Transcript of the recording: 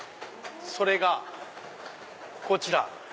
それがこちら。